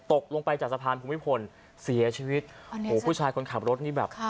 ตกลงไปจากสะพานภูมิพลเสียชีวิตโอ้โหผู้ชายคนขับรถนี่แบบ